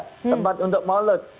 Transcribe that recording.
tempat untuk maulud